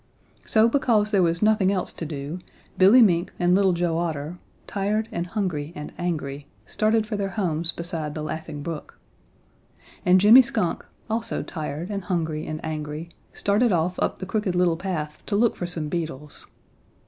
So because there was nothing else to do, Billy Mink and Little Joe Otter, tired and hungry and angry, started for their homes beside the Laughing Brook. And Jimmy Skunk, also tired and hungry and angry, started off up the Crooked Little Path to look for some beetles.